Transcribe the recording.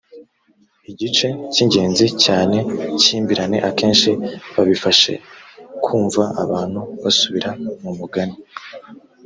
igice cy ingenzi cyane kimbirane akenshi babifashikumva abantu basubira mu mugani